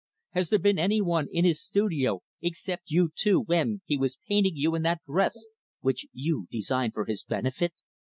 Has there been any one in his studio, except you two, when he was painting you in that dress which you designed for his benefit?